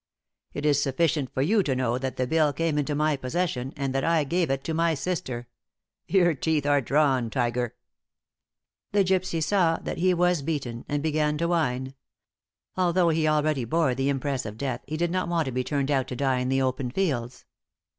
It is sufficient for you to know that the bill came into my possession, and that I gave it to my sister. Your teeth are drawn, tiger!" The gypsy saw that he was beaten, and began to whine. Although he already bore the impress of death, he did not want to be turned out to die in the open fields.